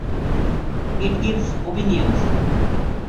It gives opinions.